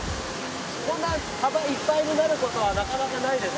こんな幅いっぱいになることはなかなかないです。